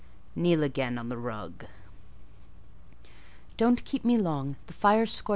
Kneel again on the rug." "Don't keep me long; the fire scorches me."